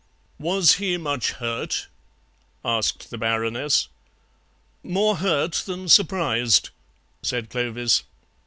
"Was he much hurt?" asked the Baroness. "More hurt than surprised," said Clovis.